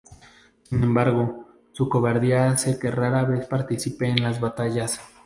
Sin embargo, su cobardía hace que rara vez participe en las batallas.